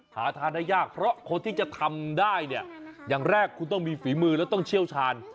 หาทานได้ยากเพราะคนที่จะทำได้เนี่ยอย่างแรกคุณต้องมีฝีมือแล้วต้องเชี่ยวชาญ